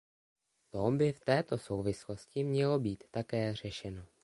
To by v této souvislosti mělo být také řešeno.